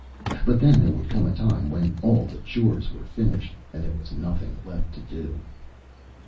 But then there would come a time when all the chores were finished and there was nothing left to do.